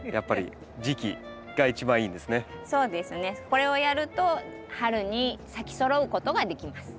これをやると春に咲きそろうことができます。